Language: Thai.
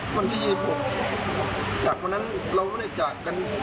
วันที่ผมมากวันนั้นเราไม่ได้จากการตีน